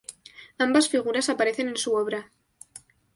Ambas figuras aparecen en su obra.